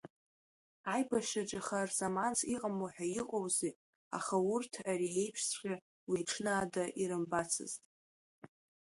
Аибашьраҿы харзаманс иҟамло ҳәа иҟоузеи, аха урҭ ари еиԥшҵәҟьа уи аҽны ада ирымбацызт.